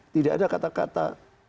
tidak ada kata kata